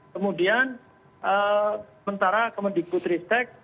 kemudian mentara kemendiku tristek